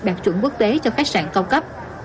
đặc trưng quốc tế cho khách sạn cao cấp